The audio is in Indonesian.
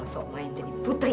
dasar kembel sok main jadi putrin